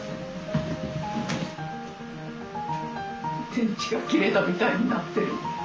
電池が切れたみたいになってる。